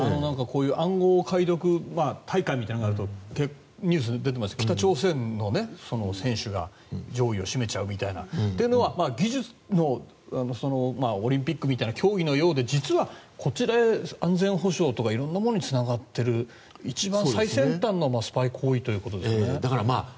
暗号解読大会みたいなのがあるとニュースに出てますけど北朝鮮の選手が上位を占めちゃうみたいな。というのは技術のオリンピックみたいな競技のようで実はこちらへ安全保障とか色んなものにつながっている一番最先端のスパイ行為ということですよね。